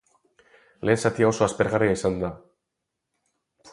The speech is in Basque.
Lehen zatia oso aspergarria izan da.